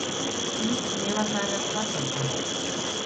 Nik neba zaharrago bat daukat